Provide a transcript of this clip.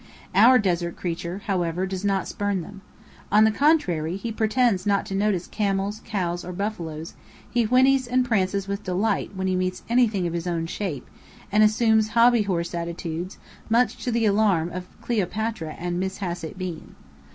Our desert creature, however, does not spurn them. On the contrary, though he pretends not to notice camels, cows, or buffaloes, he whinnies and prances with delight when he meets anything of his own shape, and assumes hobby horse attitudes, much to the alarm of Cleopatra and Miss Hassett Bean.